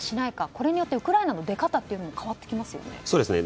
これによってウクライナの出方も変わってきますよね。